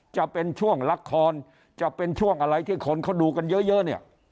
จะเป็นช่วงละครจะเป็นช่วงอะไรที่คนเขาดูกันเยอะเนี่ย